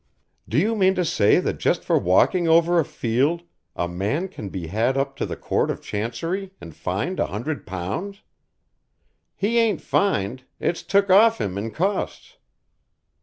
"Do you mean to say that just for walking over a field a man can be had up to the court of Chancery and fined a hundred pounds?" "He ain't fined, it's took off him in costs."